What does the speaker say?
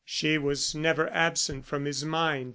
She was never absent from his mind.